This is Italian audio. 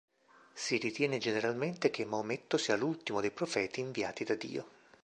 Si ritiene generalmente che Maometto sia l'ultimo dei profeti inviati da Dio.